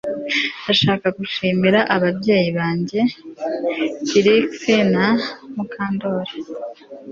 Ndashaka gushimira ababyeyi banjye Trix na Mukandoli